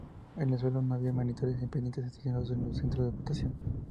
En el suelo no había monitores independientes estacionados en los centros de votación.